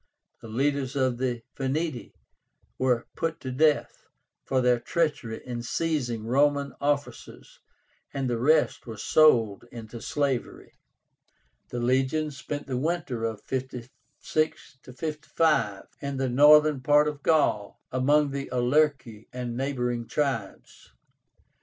The leaders of the Veneti were put to death for their treachery in seizing Roman officers, and the rest were sold into slavery. The legions spent the winter of 56 55 in the northern part of Gaul, among the Aulerci and neighboring tribes.